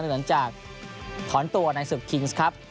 หลังจากถอนตัวในศึกคิงส์ครับ